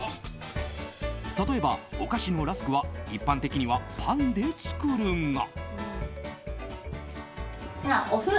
例えば、お菓子のラスクは一般的にはパンで作るが。